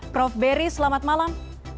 prof beri selamat malam